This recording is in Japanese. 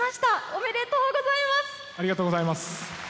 ありがとうございます。